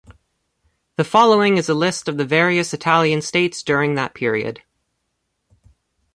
The following is a list of the various Italian states during that period.